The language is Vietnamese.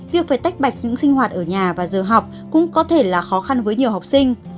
việc phải tách bạch dưỡng sinh hoạt ở nhà và giờ học cũng có thể là khó khăn với nhiều học sinh